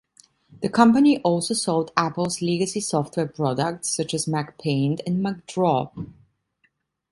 The company also sold Apple's legacy software products such as MacPaint and MacDraw.